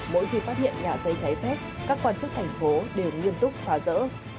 mỗi khi phát hiện nhà dây cháy phép các quan chức thành phố đều nghiêm túc phá rỡ